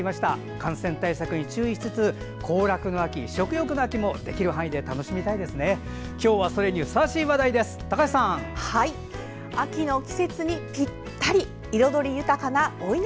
感染対策に注意しつつ行楽の秋食欲の秋もできる範囲で楽しみたいですね。